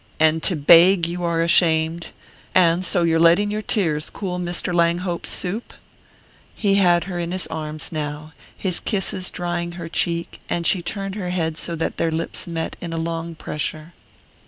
And to beg you are ashamed? And so you're letting your tears cool Mr. Langhope's soup?" He had her in his arms now, his kisses drying her cheek; and she turned her head so that their lips met in a long pressure.